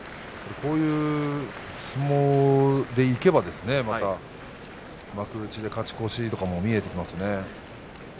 こういう相撲でいけば幕内で勝ち越しも見えてきますね。